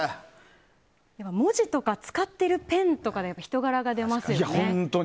文字とか、使ってるペンとかで人柄が出ますよね。